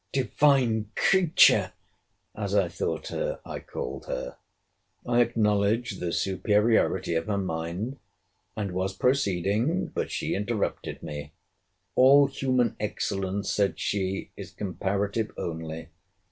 Divine creature! (as I thought her,) I called her. I acknowledged the superiority of her mind; and was proceeding—but she interrupted me—All human excellence, said she, is comparative only.